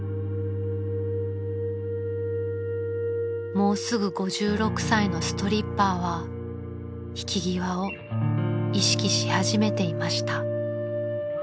［もうすぐ５６歳のストリッパーは引き際を意識し始めていました］